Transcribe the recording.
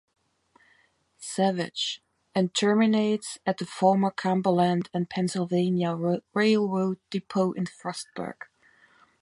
Savage, and terminates at the former Cumberland and Pennsylvania Railroad depot in Frostburg.